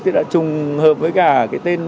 thì đã chùng hợp với cả cái tên